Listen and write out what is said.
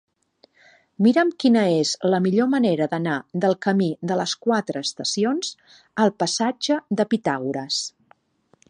Mira'm quina és la millor manera d'anar del camí de les Quatre Estacions al passatge de Pitàgores.